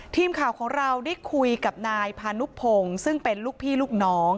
ทีมข่าวของเราได้คุยกับนายพานุพงศ์ซึ่งเป็นลูกพี่ลูกน้อง